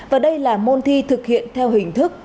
và đây là môn thi thực hiện theo hình thức